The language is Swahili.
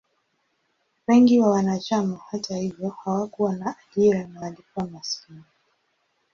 Wengi wa wanachama, hata hivyo, hawakuwa na ajira na walikuwa maskini.